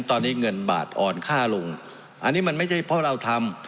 ตอนนี้เงินบาทอ่อนค่าลงอันนี้มันไม่ใช่เพราะเราทำ